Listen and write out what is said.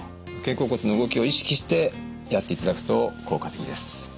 肩甲骨の動きを意識してやっていただくと効果的です。